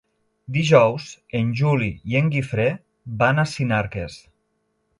Dijous en Juli i en Guifré van a Sinarques.